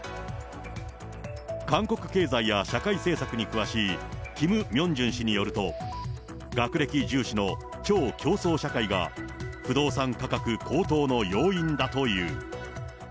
韓国経済や社会政策に詳しい、キム・ミョンジュン氏によると、学歴重視の超競争社会が、不動産価格高騰の要因だという。